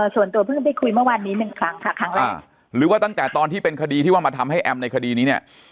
ส่วนตัวเพิ่งได้คุยเมื่อวานนี้หนึ่งครั้งค่ะครั้งแรกหรือว่าตั้งแต่ตอนที่เป็นคดีที่ว่ามาทำให้แอมในคดีนี้เนี่ย